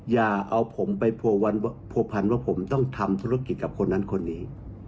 อย่าเอาผมไปผัวพันว่าผมต้องทำธุรกิจกับคนนั้นคนนี้